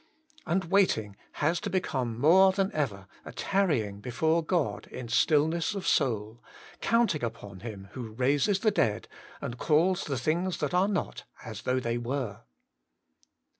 And waiting has to become more than ever a tarrying before God in stillness of soul, counting upon Him who raises the dead, and calls the things that are not as though they were.